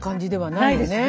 ないですね